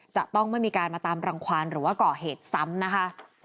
จะต้องไม่มีการมาตามรังความหรือว่าก่อเหตุซ้ำนะคะ